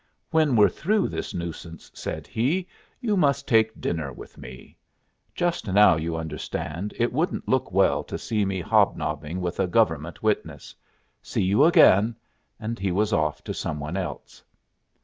"When we're through this nuisance," said he, "you must take dinner with me. Just now, you understand, it wouldn't look well to see me hobnobbing with a government witness. See you again!" And he was off to some one else.